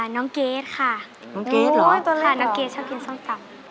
น้องเกดค่ะน้องเกดชอบกินส้มตำ